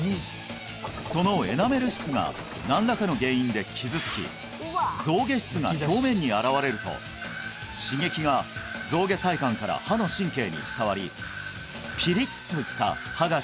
そのエナメル質が何らかの原因で傷つき象牙質が表面に現れると刺激が象牙細管から歯の神経に伝わりピリッといった歯が